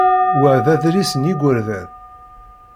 Wa d adlis n yigerdan.